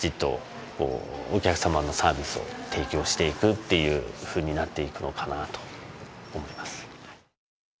っていうふうになっていくのかなと思います。